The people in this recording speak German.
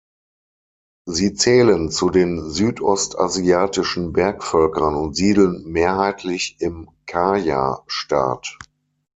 Sie zählen zu den südostasiatischen Bergvölkern und siedeln mehrheitlich im Kayah-Staat.